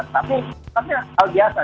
tapi hal biasa